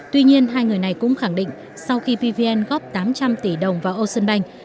tuy nhiên hai người này cũng khẳng định sau khi pvn góp tám trăm linh tỷ đồng vào ocean bank